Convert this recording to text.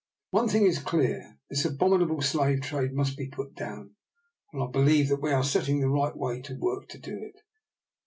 "One thing is clear, this abominable slave trade must be put down, and I believe that we are setting the right way to work to do it.